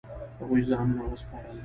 هغوی ځانونه وسپارل.